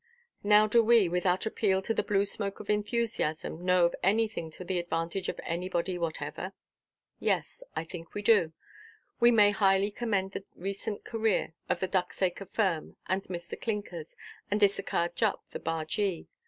Now do we, without appeal to the blue smoke of enthusiasm, know of anything to the advantage of anybody whatever? Yes, I think we do. We may highly commend the recent career of the Ducksacre firm, and Mr. Clinkers, and Issachar Jupp the bargee.